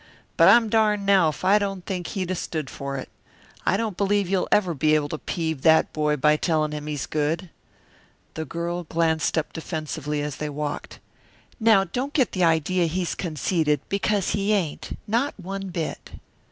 But I'm darned now if I don't think he'd have stood for it. I don't believe you'll ever be able to peeve that boy by telling him he's good." The girl glanced up defensively as they walked. "Now don't get the idea he's conceited, because he ain't. Not one bit."